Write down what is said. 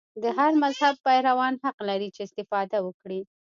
د هر مذهب پیروان حق لري چې استفاده وکړي.